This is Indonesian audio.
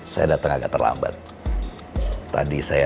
pada bagian simpanan saham